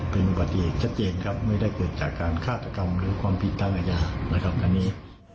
เป็นอุบัติเหตุชัดเจนครับไม่ได้เกิดจากการฆาตกรรมหรือความผิดทางอาญานะครับอันนี้